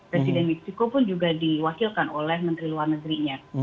presiden meksiko pun juga diwakilkan oleh menteri luar negerinya